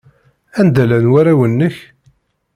Anda llan warraw-nnek?